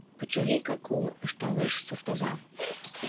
— Пычырикак уло, — ышталеш суртоза.